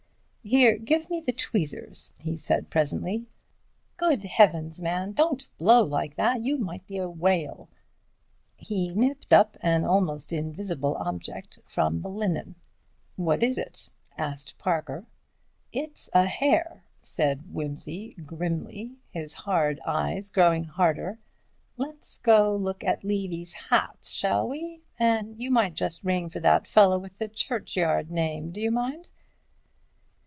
"Here, give me the tweezers," he said presently. "good heavens, man, don't blow like that, you might be a whale." He nipped up an almost invisible object from the linen. "What is it?" asked Parker. "It's a hair," said Wimsey grimly, his hard eyes growing harder. "Let's go and look at Levy's hats, shall we? And you might just ring for that fellow with the churchyard name, do you mind?"